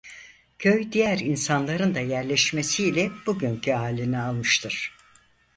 Köy diğer insanların da yerleşmesi ile bugünkü halini almıştır.